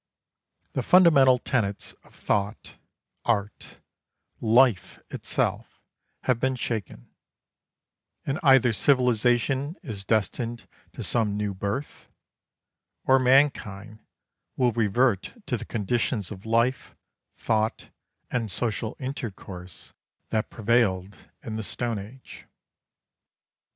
The fundamental tenets of thought, art, life itself, have been shaken: and either civilization is destined to some new birth, or mankind will revert to the conditions of life, thought, and social intercourse that prevailed in the Stone Age.